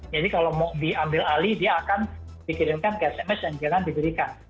jadi kalau mau diambil alih dia akan dikirimkan via sms dan jalan diberikan